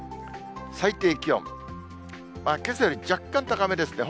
最低気温、けさより若干高めですね。